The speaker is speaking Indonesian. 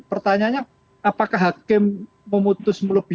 pertanyaannya apakah hakim memutus melebihi